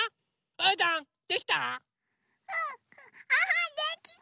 うーたんできた？